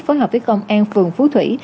phối hợp với công an phường phú thủy